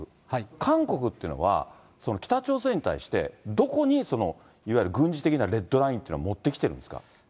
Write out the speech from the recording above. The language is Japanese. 韓国っていうのは、北朝鮮に対してどこにその、いわゆる軍事的なレッドラインというのを持ってきているんですか。